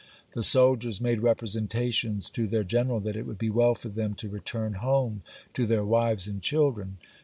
The soldiers made representations to their general, that it would be well for them to return home to their wives and children.